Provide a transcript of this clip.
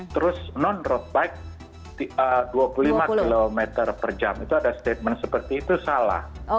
terus non road bike dua puluh lima km per jam itu ada statement seperti itu salah